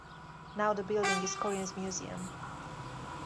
Now the building is Korin's museum.